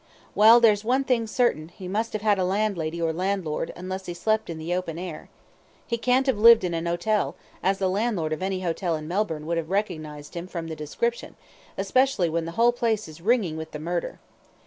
Well, there's one thing certain, he must have had a landlady or landlord, unless he slept in the open air. He can't have lived in an hotel, as the landlord of any hotel in Melbourne would have recognised him from the description, especially when the whole place is ringing with the murder.